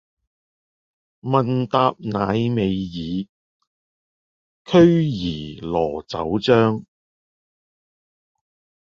問答乃未已，驅兒羅酒漿。